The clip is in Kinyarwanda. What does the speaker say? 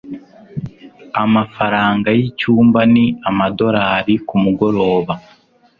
Amafaranga yicyumba ni amadorari kumugoroba.